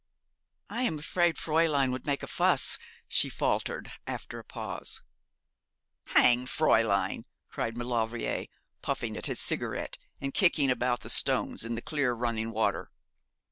'I am afraid Fräulein would make a fuss,' she faltered, after a pause. 'Hang Fräulein,' cried Maulevrier, puffing at his cigarette, and kicking about the stones in the clear running water.